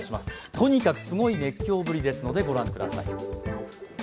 とにかくすごい熱狂ぶりですので、ご覧ください。